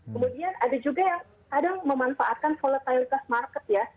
kemudian ada juga yang kadang memanfaatkan volatilitas market ya